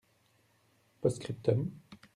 (post-scriptum).